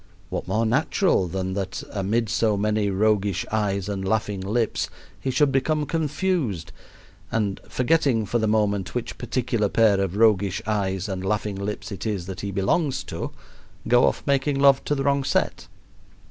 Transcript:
What more natural than that amid so many roguish eyes and laughing lips he should become confused and, forgetting for the moment which particular pair of roguish ayes and laughing lips it is that he belongs to, go off making love to the wrong set.